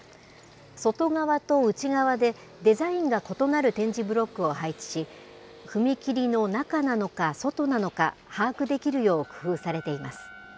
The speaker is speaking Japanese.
外側と内側でデザインが異なる点字ブロックを配置し、踏切の中なのか、外なのか、把握できるよう工夫されています。